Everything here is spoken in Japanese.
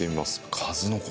数の子。